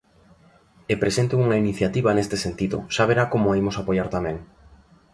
E presente unha iniciativa neste sentido, xa verá como a imos apoiar tamén.